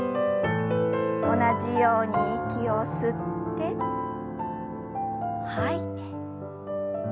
同じように息を吸って吐いて。